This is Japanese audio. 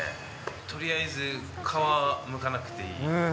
とりあえず皮むかなくていい。